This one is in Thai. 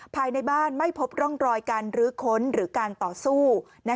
ภายในบ้านไม่พบร่องรอยการรื้อค้นหรือการต่อสู้